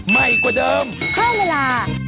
ให้คุณมั่นเบสฟ้า